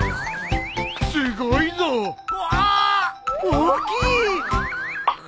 大きい！